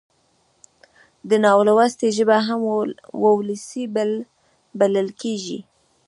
د نالوستي ژبه هم وولسي بلل کېږي.